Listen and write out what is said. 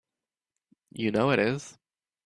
You know it is!